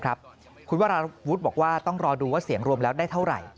คุณวราวุฒิบอกว่าต้องรอดูว่าเสียงรวมแล้วได้เท่าไหร่